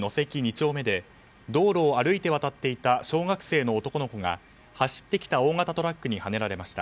丁目で道路を歩いて渡っていた小学生の男の子が走ってきた大型トラックにはねられました。